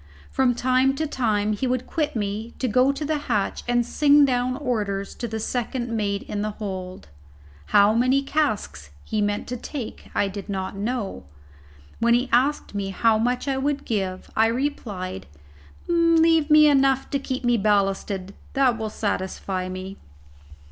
From time to time he would quit me to go to the hatch and sing down orders to the second mate in the hold. How many casks he meant to take I did not know; when he asked me how much I would give, I replied: "Leave me enough to keep me ballasted; that will satisfy me."